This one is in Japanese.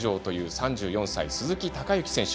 ３４歳、鈴木孝幸選手。